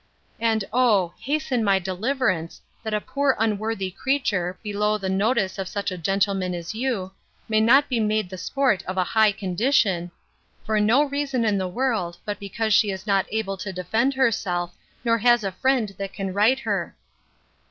And, O! hasten my deliverance, that a poor unworthy creature, below the notice of such a gentleman as you, may not be made the sport of a high condition, for no reason in the world, but because she is not able to defend herself, nor has a friend that can right her.